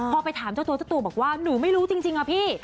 พอไปถามเจ้าตัวเจ้าตัวบอกว่าหนูไม่รู้จริงค่ะพี่